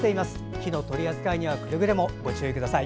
火の取り扱いにはくれぐれもご注意ください。